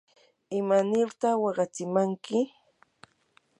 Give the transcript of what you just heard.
¿imanirta waqachimanki?